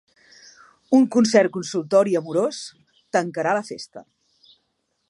Un concert-consultori amorós tancarà la festa.